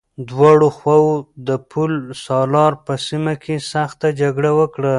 دواړو خواوو د پل سالار په سيمه کې سخته جګړه وکړه.